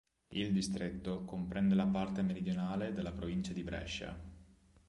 Il distretto comprende la parte meridionale della provincia di Brescia.